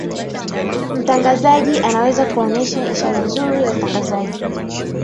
mtangazaji anaweza kuonesha ishara nzuri ya utangazaji